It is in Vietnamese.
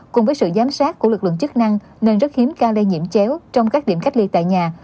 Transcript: cùng với sự giám sát của lực lượng chức năng nên rất hiếm ca lây nhiễm chéo trong các điểm cách ly tại nhà